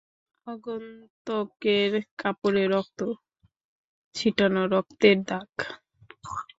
আগন্তুকের কাপড়ে রক্ত, ছিটানো রক্তের দাগ।